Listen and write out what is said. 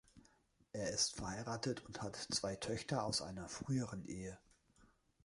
Er ist verheiratet und hat zwei Töchter aus einer früheren Ehe.